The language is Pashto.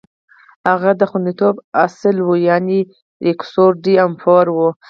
هغه د خوندیتوب اصل و، یعنې ریکورسو ډی امپارو و.